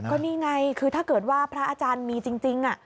ก็นี่ไงคือถ้าเกิดว่าพระอาจารย์มีจริง